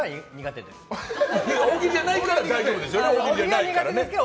大喜利じゃないから大丈夫ですね。